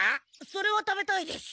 それは食べたいです。